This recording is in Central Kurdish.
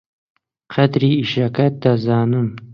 قەدری ئیشەکەت دەزانم.